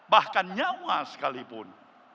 bahkan nyawa sekalipun